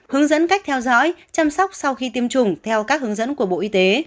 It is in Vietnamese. hướng dẫn cách theo dõi chăm sóc sau khi tiêm chủng theo các hướng dẫn của bộ y tế